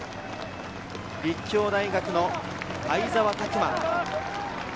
立教大学の相澤拓摩。